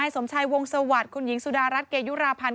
สมชัยวงศวรรค์คุณหญิงสุดารัฐเกยุราพันธ์